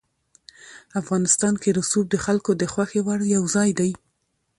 افغانستان کې رسوب د خلکو د خوښې وړ یو ځای دی.